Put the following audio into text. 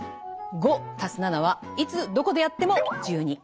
５＋７はいつどこでやっても１２。